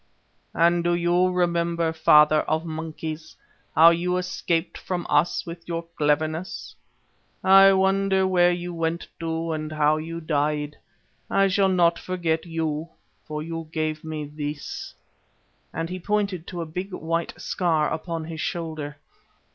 "And do you remember, Father of Monkeys, how you escaped from us by your cleverness? I wonder where you went to and how you died. I shall not forget you, for you gave me this," and he pointed to a big white scar upon his shoulder.